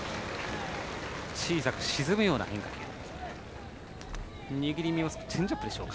小さく沈むような変化球でした。